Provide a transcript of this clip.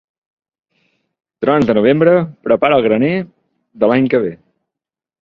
Trons de novembre, prepara el graner de l'any que ve.